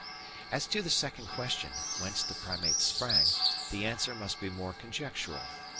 As to the second question: Whence the Primates sprang, the answer must be more conjectural.